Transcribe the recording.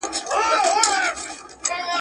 پرون په پارلمان کي سياسي بحثونه وسول.